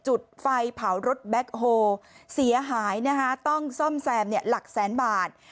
จุดไฟเผารถแบ็คโฮเสียหายนะคะต้องซ่อมแซมหลักแสนบาท